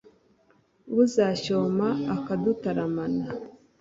Usashyoma akadutaramana,